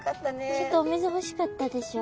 ちょっとお水欲しかったでしょう。